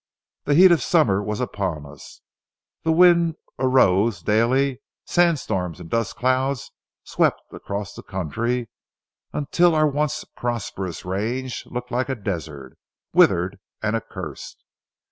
The heat of summer was upon us, the wind arose daily, sand storms and dust clouds swept across the country, until our once prosperous range looked like a desert, withered and accursed.